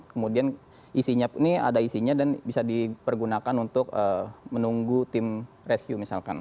kemudian isinya ini ada isinya dan bisa dipergunakan untuk menunggu tim rescue misalkan